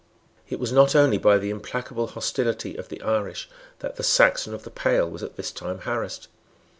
It was not only by the implacable hostility of the Irish that the Saxon of the pale was at this time harassed.